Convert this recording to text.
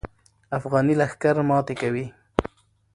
افغاني لښکر ماتې کوي.